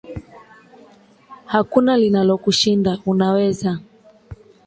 Hakuna linalokushinda unaweza